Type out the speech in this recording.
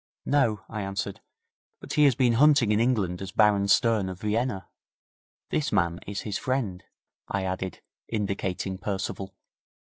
'No,' I answered. 'But he has been hunting in England as Baron Stern, of Vienna. This man is his friend,' I added, indicating Percival.